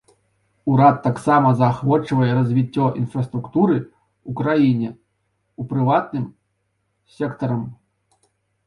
Урад таксама заахвочвае развіццё інфраструктуры ў краіне ў прыватным сектарам.